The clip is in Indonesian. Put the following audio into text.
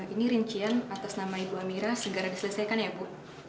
ini rincian atas nama ibu amira segera diselesaikan ya bu